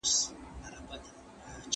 ملکیار ته طبیعت د مینې یوه وسیله ښکاري.